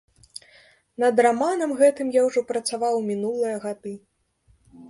Над раманам гэтым я ўжо працаваў ў мінулыя гады.